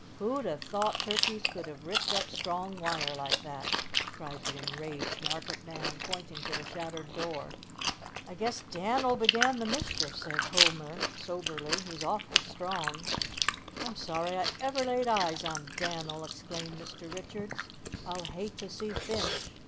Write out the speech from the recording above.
"Who'd have thought turkeys could have ripped up strong wire like that?" cried the enraged market man, pointing to the shattered door. "I guess Dan'l began the mischief," said Homer soberly; "he's awful strong." "I'm sorry I ever laid eyes on Dan'l!" exclaimed Mr. Richards. "I'll hate to see Finch.